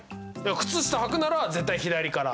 靴下はくなら絶対左から。